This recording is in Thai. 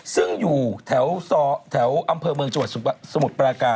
ซึ่งอยู่แถวสอร์ศ์แถวอำเภอเมืองจับขวดสมุดปราการ